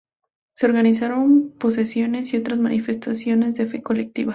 Se organizaron procesiones y otras manifestaciones de fe colectiva.